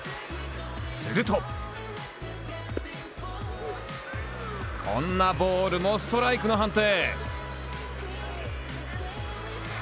するとこんなボールもストライクの判定。